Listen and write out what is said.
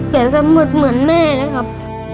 อย่าเสมอเหมือนแม่เลยครับ